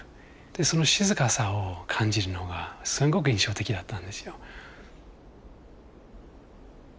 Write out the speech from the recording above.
でその静かさを感じるのがすごく印象的だったんですよ。